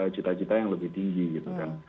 cita cita yang lebih tinggi gitu kan